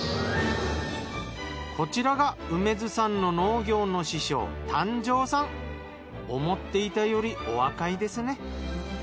こちらが梅津さんの農業の師匠思っていたよりお若いですね。